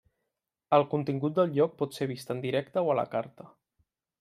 El contingut del lloc pot ser vist en directe o a la carta.